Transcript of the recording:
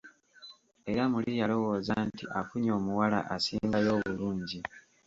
Era muli yalowooza nti afunye omuwala asingayo obulungi.